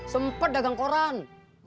sempat dagang koran